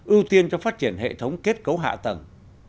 ưu tiên cho phát triển hệ thống kết cấu hạ tầng